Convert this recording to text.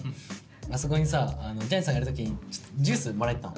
あそこにさジャニーさんがいる時にジュースもらいにいったの。